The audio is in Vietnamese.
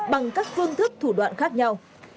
bằng các phương thức thủ đoạn khác nhau